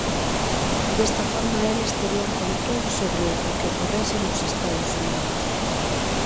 Desta forma eles terían control sobre o que ocorrese nos Estados Unidos.